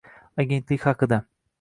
Agentlik haqida